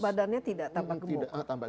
badannya tidak tambah gemuk